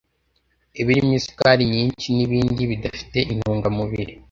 ibirimo isukari nyinshi n’ibindi bidafite intungamubiri